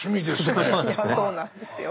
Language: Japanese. そうなんですよ。